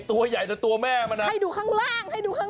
ตัวใหญ่แต่ตัวแม่ให้ดูข้างล่าง